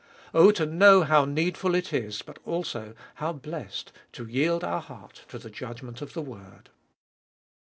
Oh, to know how needful it is, but also how blessed, to yield our hearts to the judgment of the word.